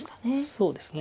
そうですね。